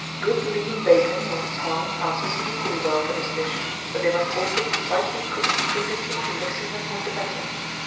Good lean bacon, or tongue, answers equally well for this dish; but they must also be slightly cooked previously to mixing them with the batter.